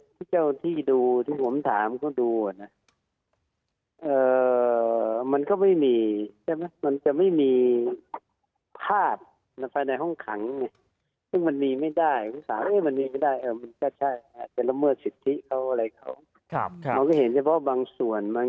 ที่เราที่ดูที่ผมถามก็ดูมันจะไม่มีคาดภาพฟายในห้องขัง